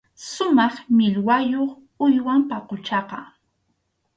Sumaq millwayuq uywam paquchaqa.